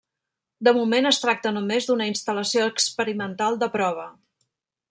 De moment es tracta només d'una instal·lació experimental de prova.